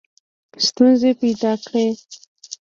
ستونزي پیدا کړې.